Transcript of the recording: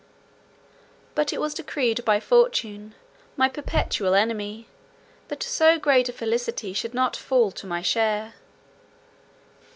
But it was decreed by fortune, my perpetual enemy, that so great a felicity should not fall to my share.